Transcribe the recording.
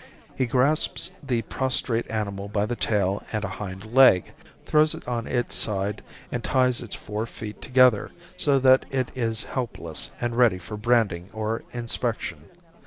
He grasps the prostrate animal by the tail and a hind leg, throws it on its side, and ties its four feet together, so that it is helpless and ready for branding or inspection.